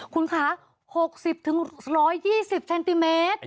คุณคะ๖๐๑๒๐เซนติเมตร